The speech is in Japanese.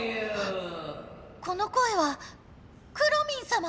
この声はくろミンさま